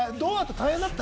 大変だった？